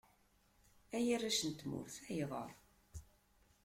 Ay arrac n tmurt, ayɣer?